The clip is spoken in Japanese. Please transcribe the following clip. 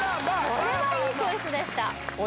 これはいいチョイスでした